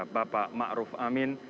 bapak ma'ruf amin